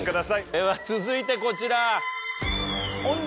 では続いてこちら。